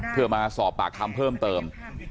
เพื่อมาสอบปากคำเพิ่มเติม